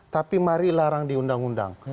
tapi mari larang di undang undang